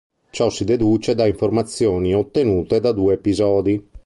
Ciò si deduce da informazioni ottenute da due episodi.